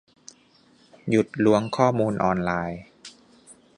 หยุดล้วงข้อมูลออนไลน์